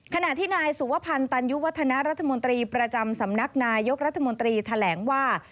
ขณะที่นายสุวพันธ์ตันยุวัฒนารัฐมนตรีประจำสำนักนายกรัฐมนตรีแถลงว่า